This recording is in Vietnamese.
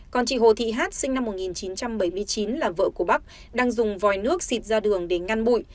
còn chị hồ thị hát sinh năm một nghìn chín trăm bảy mươi chín là vợ của bắc đang dùng vòi nước xịt ra đường để ngăn bụi